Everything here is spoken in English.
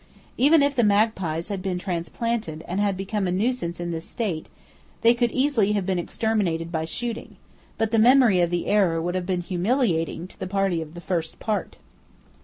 Even if the magpies had been transplanted and had become a nuisance in this state, they could easily have been exterminated by shooting; but the memory of the error would have been humiliating to the party of the first part.